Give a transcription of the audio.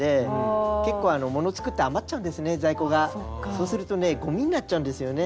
そうするとねゴミになっちゃうんですよね。